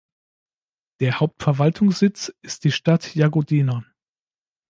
Der Hauptverwaltungssitz ist die Stadt Jagodina.